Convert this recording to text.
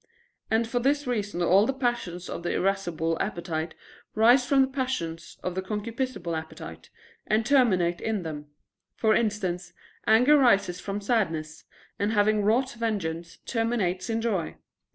And for this reason all the passions of the irascible appetite rise from the passions of the concupiscible appetite and terminate in them; for instance, anger rises from sadness, and having wrought vengeance, terminates in joy.